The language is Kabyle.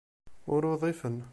Ur udifen.